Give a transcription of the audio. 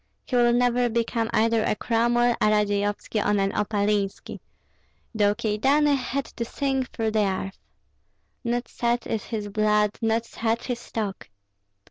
He will never become either a Cromwell, a Radzeyovski, or an Opalinski, though Kyedani had to sink through the earth. Not such is his blood, not such his stock."